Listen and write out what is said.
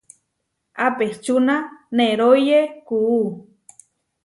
Apečúna neróye kuú.